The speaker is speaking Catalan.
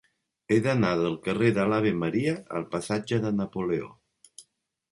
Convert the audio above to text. He d'anar del carrer de l'Ave Maria al passatge de Napoleó.